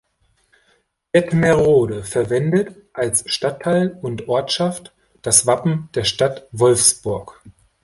Detmerode verwendet als Stadtteil und Ortschaft das Wappen der Stadt Wolfsburg.